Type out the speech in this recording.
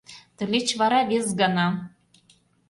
Тылеч вара вес гана